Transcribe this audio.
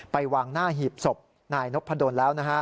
ไปวางหน้าหีบศพนายนพะดนแล้ว